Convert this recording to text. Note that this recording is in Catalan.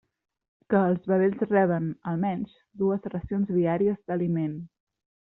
Que els vedells reben, almenys, dues racions diàries d'aliment.